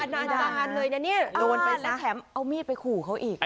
และแถมเอามีดไปขู่เขาอีก